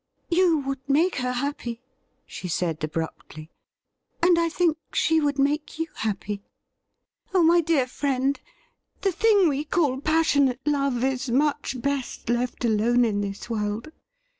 ' You would make her happy," she said abruptly, ' and I think she would make you happy. Oh, my dear friend, the thing we call passionate love is much best left alone in this world